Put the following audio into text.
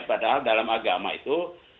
padahal dalam agama itu